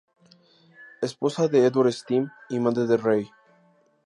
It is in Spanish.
Esposa de Edward Steam y madre de Ray.